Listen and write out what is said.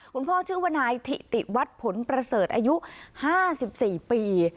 ชื่อว่านายถิติวัดผลประเสริฐอายุ๕๔ปี